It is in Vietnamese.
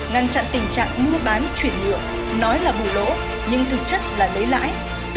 ngăn chặn tình trạng mưa bán chuyển lượng nói là bù lỗ nhưng thực chất là lấy lãi